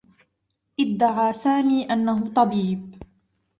ادّعى سامي أنّه طبيب.